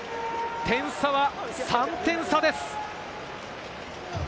点差は３点差です。